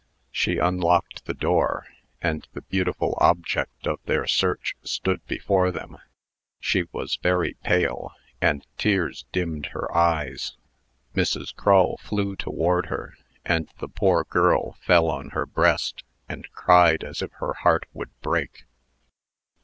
She unlocked the door, and the beautiful object of their search stood before them. She was very pale, and tears dimmed her eyes. Mrs. Crull flew toward her, and the poor girl fell on her breast, and cried as if her heart would break.